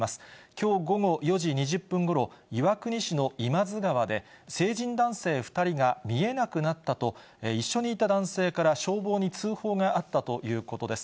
きょう午後４時２０分ごろ、岩国市のいまづ川で、成人男性２人が見えなくなったと、一緒にいた男性から消防に通報があったということです。